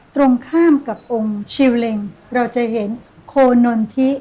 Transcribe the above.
ตรงข้ามกับองค์ชิวเล็งเราจะเห็นโคนนทิ